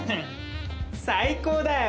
最高だよ！